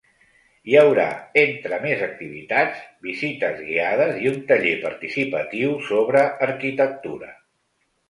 Hi haurà, entre més activitats, visites guiades i un taller participatiu sobre arquitectura.